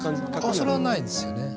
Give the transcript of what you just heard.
ああそれはないですよね。